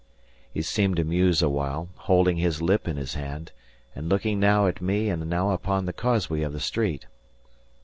He seemed to muse awhile, holding his lip in his hand, and looking now at me and now upon the causeway of the street.